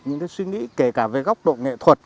những cái suy nghĩ kể cả về góc độ nghệ thuật